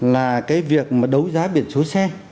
là cái việc mà đấu giá biển số xe